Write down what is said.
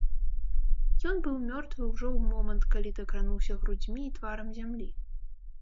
Ён быў мёртвы ўжо ў момант, калі дакрануўся грудзьмі і тварам зямлі.